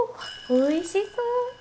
おいしそう！